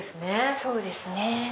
そうですね。